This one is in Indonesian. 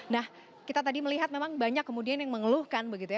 nah kita tadi melihat memang banyak kemudian yang mengeluhkan begitu ya